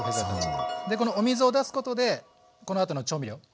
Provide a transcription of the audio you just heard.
でこのお水を出すことでこのあとの調味料が薄まらない。